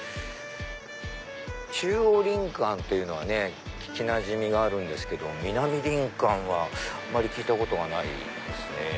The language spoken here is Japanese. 中央林間というのは聞きなじみがあるんですけど南林間はあまり聞いたことがないですね。